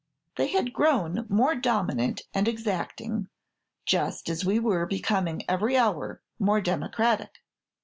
They had grown more dominant and exacting, just as we were becoming every hour more democratic.